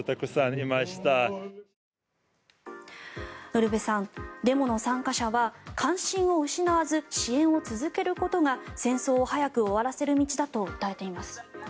ウルヴェさんデモの参加者は関心を失わず支援を続けることが戦争を早く終わらせる道だと訴えています。